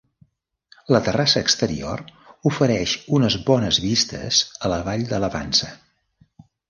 La terrassa exterior ofereix unes bones vistes a la vall de la Vansa.